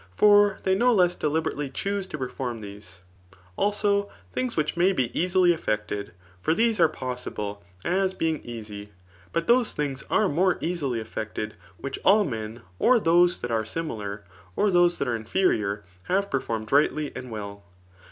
For they no less delibe^ mely chuse to perform these. Aldo> things which «Bay be easfly effiKted ; for thete are possibly as being ef^jf. But those diings are xaosc easily effected which all mm, 0r tiiose that are dnular^ or those that are infeiior, bavie |ieifonned rightly and well.